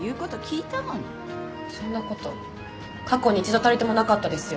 そんなこと過去に一度たりともなかったですよね。